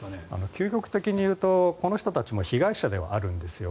究極的に言うとこの人たちも被害者ではあるんですよ。